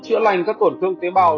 chữa lành các tổn thương tế bào